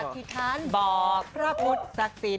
อธิษฐานบอกพระพุทธศักดิ์สิทธิ์